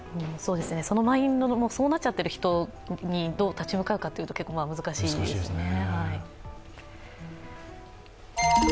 そのマインドが、そうなっちゃてる人にどう立ち向かうかは難しいですね。